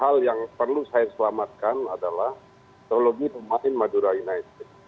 hal yang perlu saya selamatkan adalah teknologi pemain madura united